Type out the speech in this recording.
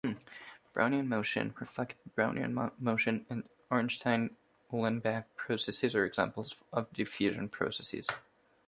Brownian motion, reflected Brownian motion and Ornstein-Uhlenbeck processes are examples of diffusion processes.